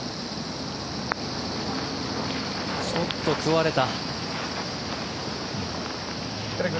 ちょっと食われた。